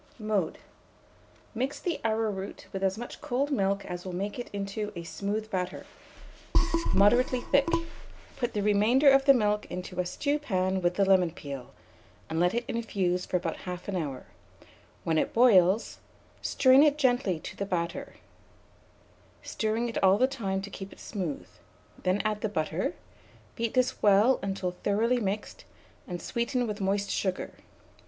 Mode. Mix the arrowroot with as much cold milk as will make it into a smooth batter, moderately thick; put the remainder of the milk into a stewpan with the lemon peel, and let it infuse for about 1/2 hour; when it boils, strain it gently to the batter, stirring it all the time to keep it smooth; then add the butter; beat this well in until thoroughly mixed, and sweeten with moist sugar.